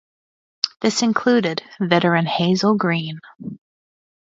This included veteran Hazel Greene.